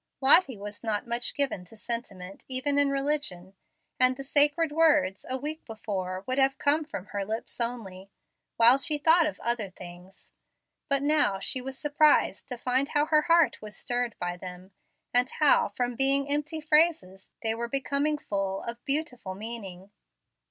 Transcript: Lottie was not much given to sentiment, even in religion, and the sacred words, a week before, would have come from her lips only, while she thought of other things; but now she was surprised to find how her heart was stirred by them, and how, from being empty phrases, they were becoming full of beautiful meaning.